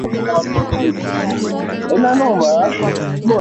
Baleine eko munene ku tembo